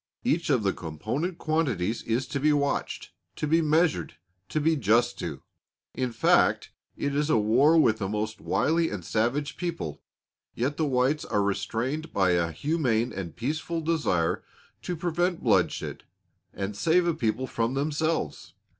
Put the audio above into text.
Each of the component quantities is to be watched, to be measured, to be just to. In fact it is a war with a most wily and savage people, yet the whites are restrained by a humane and peaceful desire to prevent bloodshed and save a people from themselves.